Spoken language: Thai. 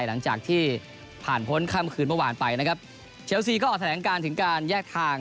หลังจากที่ผ่านพ้นค่ำคืนเมื่อวานไปนะครับเชลซีก็ออกแถลงการถึงการแยกทาง